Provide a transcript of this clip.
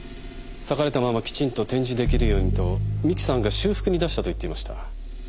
裂かれたままきちんと展示できるようにと三木さんが修復に出したと言っていました。